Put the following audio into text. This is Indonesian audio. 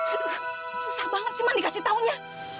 susah banget sih man dikasih taunya